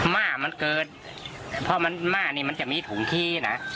ม่ามันเกิดเพราะมันม่านี่มันจะมีถุงขี้นะ